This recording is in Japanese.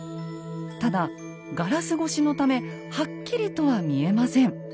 ただガラス越しのためはっきりとは見えません。